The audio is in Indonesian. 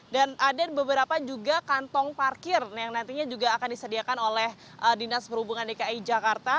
dan ada beberapa juga kantong parkir yang nantinya juga akan disediakan oleh dinas perhubungan dki jakarta